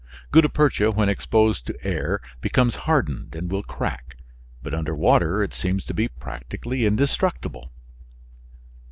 Gutta percha when exposed to air becomes hardened and will crack, but under water it seems to be practically indestructible.